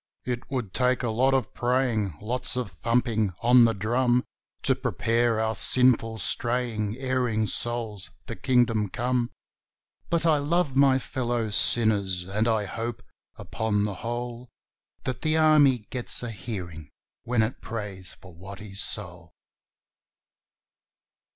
It would take a lot of praying lots of thumping on the drum To prepare our sinful, straying, erring souls for Kingdom Come; But I love my fellow sinners, and I hope, upon the whole, That the Army gets a hearing when it prays for Watty's soul.